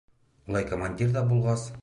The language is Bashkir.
Улай командир ҙа булғас...